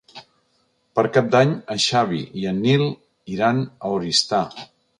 Per Cap d'Any en Xavi i en Nil iran a Oristà.